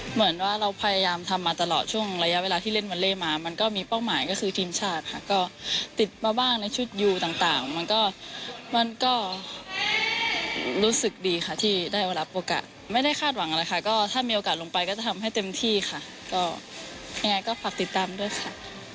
เหมือนว่าเราพยายามทำมาตลอดช่วงระยะเวลาที่เล่นวอเล่มามันก็มีเป้าหมายก็คือทีมชาติค่ะก็ติดมาบ้างในชุดยูต่างมันก็มันก็รู้สึกดีค่ะที่ได้รับโอกาสไม่ได้คาดหวังอะไรค่ะก็ถ้ามีโอกาสลงไปก็จะทำให้เต็มที่ค่ะก็ยังไงก็ฝากติดตามด้วยค่ะ